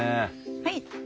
はい。